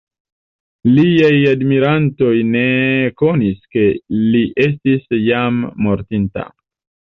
Liaj admirantoj ne konis ke li estis jam mortanta.